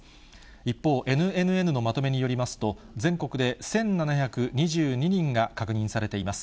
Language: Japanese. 一方、ＮＮＮのまとめによりますと、全国で１７２２人が確認されています。